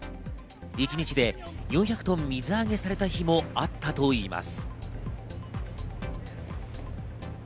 一日で４００トン水揚げされた日もあったといいます。